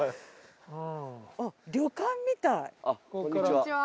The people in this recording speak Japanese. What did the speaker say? こんにちは。